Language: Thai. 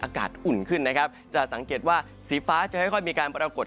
อุ่นขึ้นนะครับจะสังเกตว่าสีฟ้าจะค่อยมีการปรากฏ